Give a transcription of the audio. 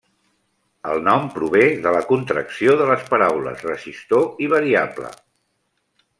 El nom prové de la contracció de les paraules resistor i variable.